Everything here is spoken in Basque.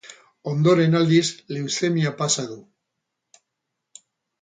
Ondoren, aldiz, leuzemia pasa du.